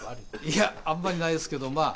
いやあんまりないですけどまあ